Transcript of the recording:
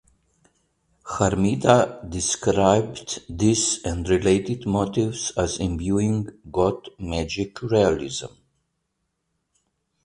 Hermida described these and related motifs as imbuing "goth magic realism".